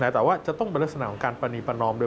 แต่ว่าจะต้องเป็นลักษณะของการปรณีประนอมด้วย